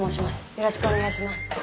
よろしくお願いします。